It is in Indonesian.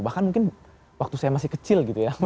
bahkan mungkin waktu saya masih kecil gitu ya